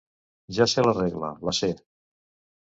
Ja sé la regla, la sé!